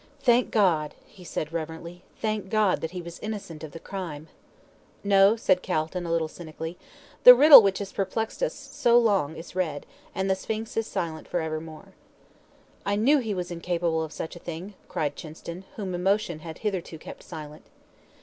"Thank God," he said, reverently, "thank God that he was innocent of the crime!" "No," said Calton, a little cynically, "the riddle which has perplexed us so long is read, and the Sphinx is silent for evermore." "I knew he was incapable of such a thing," cried Chinston, whom emotion had hitherto kept silent.